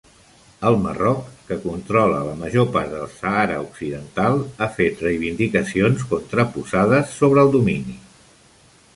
El Marroc, que controla la major part del Sàhara Occidental, ha fet reivindicacions contraposades sobre el domini.